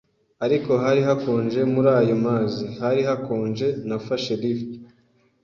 Ariko hari hakonje muri ayo mazi! Hari hakonje! Nafashe lift